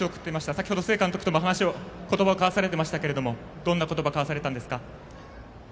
先ほど、須江監督とも言葉を交わされていましたがどんな言葉を交わされたんですか？